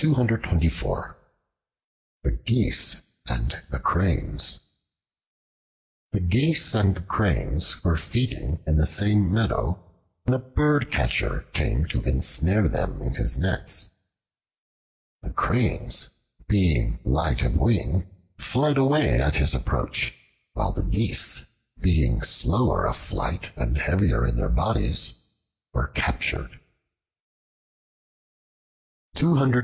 The Geese and the Cranes THE GEESE and the Cranes were feeding in the same meadow, when a birdcatcher came to ensnare them in his nets. The Cranes, being light of wing, fled away at his approach; while the Geese, being slower of flight and heavier in their bodies, were captured.